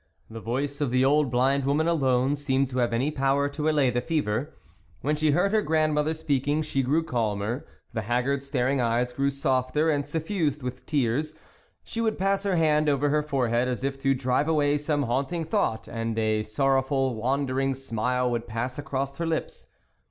The voice of the old blind woman alone seemed to have any power to allay the fever. When she heard her grandmother speaking, she grew calmer, the haggard staring eyes grew softer and suffused with tears ; she would pass her hand over her forehead as if to drive away some haunting thought, and a sorrowful wander ing smile would pass across her lips.